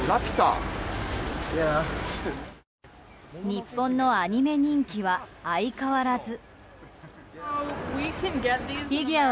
日本のアニメ人気は相変わらず。